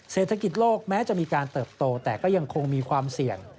เศรษฐกิจโลกแม้จะมีการเติบโตแต่ก็ยังคงมีความเสี่ยง